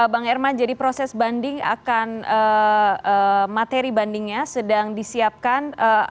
bang herman jadi proses banding akan materi bandingnya sedang disiapkan